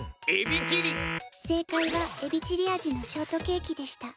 正解はエビチリ味のショートケーキでした。